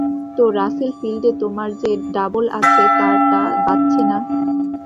তো রাসেলফিল্ডে তোমার যে ডাবল আছে তারটা বাজছে না।